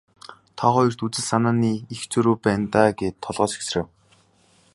Та хоёрт үзэл санааны их зөрүү байна даа гээд толгой сэгсрэв.